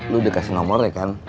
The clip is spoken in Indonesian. lu udah kasih nomor ya kan